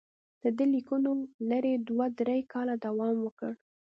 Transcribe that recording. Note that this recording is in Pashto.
د دې لیکونو لړۍ دوه درې کاله دوام وکړ.